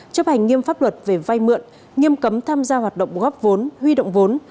chấp hành nghiêm pháp luật về vay mượn nghiêm cấm tham gia hoạt động góp vốn huy động vốn